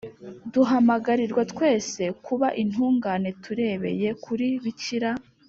duhamagarirwa twese kuba intungane turebeye kuri bikira